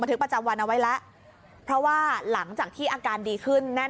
ทึกประจำวันเอาไว้แล้วเพราะว่าหลังจากที่อาการดีขึ้นแน่น